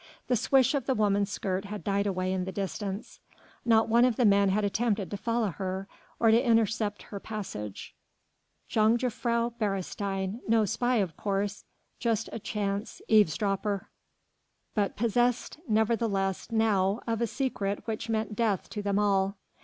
The swish of the woman's skirt had died away in the distance; not one of the men had attempted to follow her or to intercept her passage. Jongejuffrouw Beresteyn, no spy of course, just a chance eavesdropper! but possessed nevertheless now of a secret which meant death to them all!